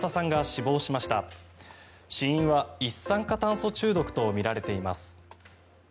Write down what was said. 死因は一酸化炭素中毒とみられています。